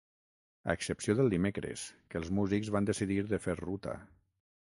A excepció del dimecres, que els músics van decidir de fer ruta.